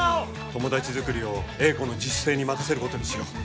友達作りを英子の自主性に任せることにしよう。